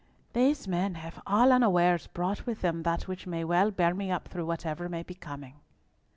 "These men have all unawares brought with them that which may well bear me up through whatever may be coming."